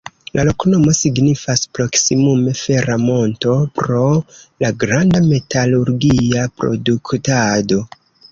La loknomo signifas proksimume "fera monto" pro la granda metalurgia produktado.